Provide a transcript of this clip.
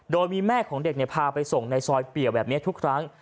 โดยมีแม่ของเด็กพาไปส่งในซอยเปี่ยวแบบนี้ทุกครั้ง